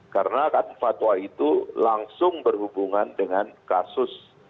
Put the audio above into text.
karena kan fatwa itu langsung berhubungan dengan kasus